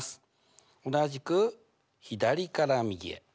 同じく左から右へ。